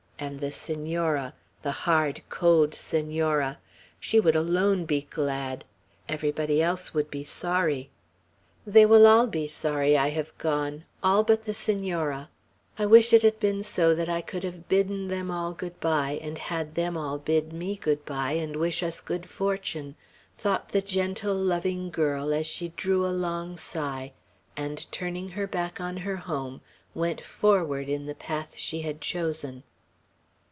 And the Senora, the hard, cold Senora! She would alone be glad. Everybody else would be sorry. "They will all be sorry I have gone, all but the Senora! I wish it had been so that I could have bidden them all good by, and had them all bid me good by, and wish us good fortune!" thought the gentle, loving girl, as she drew a long sigh, and, turning her back on her home, went forward in the path she had chosen.